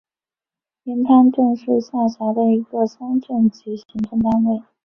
连滩镇是下辖的一个乡镇级行政单位。